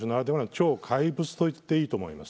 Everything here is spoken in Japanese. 超怪物といっていいと思います。